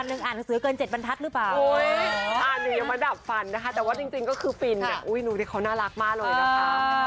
อ๋อหนูยังมันดับฟันนะคะแต่ว่าจริงก็คือฟิลอุ๊ยนี่เขาน่ารักมากเลยนะคะ